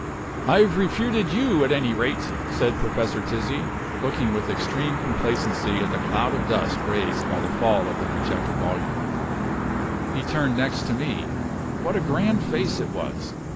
"I've refuted you, at any rate!" said Professor Tizzi, looking with extreme complacency at the cloud of dust raised by the fall of the rejected volume. He turned next to me. What a grand face it was!